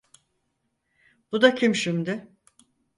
Bu da kim şimdi?